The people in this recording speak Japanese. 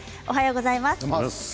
おはようございます。